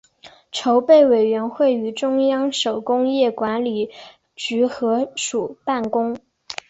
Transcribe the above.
筹备委员会与中央手工业管理局合署办公。